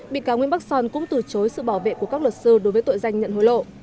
bị cáo nguyễn bắc son cũng từ chối sự bảo vệ của các luật sư đối với tội danh nhận hối lộ